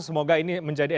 semoga ini menjadikan